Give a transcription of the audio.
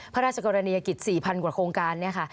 พระราชกรณียกิจ๔๐๐กว่าโครงการเนี่ยค่ะ